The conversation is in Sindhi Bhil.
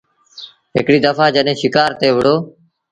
هڪڙي دڦآ جڏهيݩ شڪآر تي وهُڙو ۔